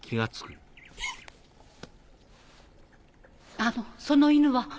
あのその犬は。